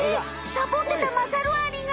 サボってたまさるアリが。